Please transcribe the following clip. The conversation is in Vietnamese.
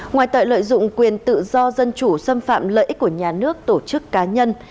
ngoài tội lợi dụng quyền tự do dân chủ xâm phạm lợi ích của nhà nước tổ chức cá nhân